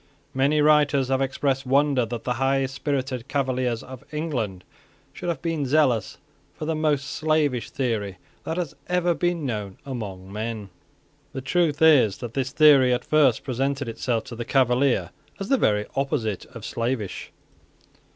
Many writers have expressed wonder that the high spirited Cavaliers of England should have been zealous for the most slavish theory that has ever been known among men. The truth is that this theory at first presented itself to the Cavalier as the very opposite of slavish.